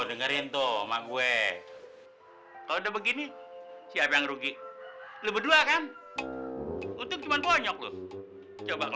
dengerin tuh mak gue udah begini siapa yang rugi kedua kan cuman banyak coba